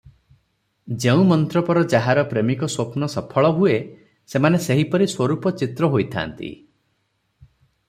ଯେଉଁ ମନ୍ତ୍ରପର ଯାହାର ପ୍ରେମିକ ସ୍ୱପ୍ନ ସଫଳ ହୁଏ, ସେମାନେ ସେହିପରି ସ୍ୱରୂପ ଚିତ୍ର ହୋଇଥାନ୍ତି ।